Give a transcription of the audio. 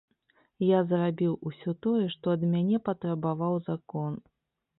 Я зрабіў усё тое, што ад мяне патрабаваў закон.